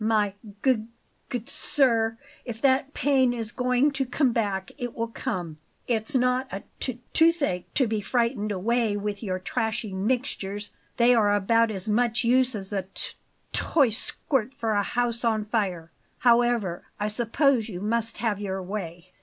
"My g good sir, if that pain is going to come back it will come; it's not a t toothache to be frightened away with your trashy mixtures. They are about as much use as a t toy squirt for a house on fire. However, I suppose you must have your way."